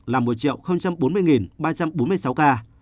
là một bốn mươi ba trăm bốn mươi sáu ca